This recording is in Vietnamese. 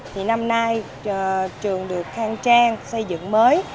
thì năm nay trường được khang trang xây dựng mới